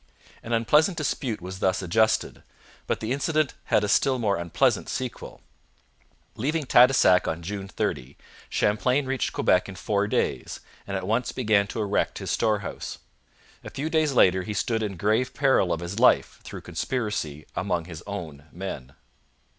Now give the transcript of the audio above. An unpleasant dispute was thus adjusted, but the incident had a still more unpleasant sequel. Leaving Tadoussac on June 30, Champlain reached Quebec in four days, and at once began to erect his storehouse. A few days later he stood in grave peril of his life through conspiracy among his own men.